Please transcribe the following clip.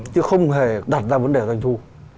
chứ không hề đặt ra vấn đề doanh thu